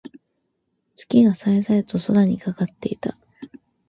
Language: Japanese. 月が冴え冴えと空にかかっていた。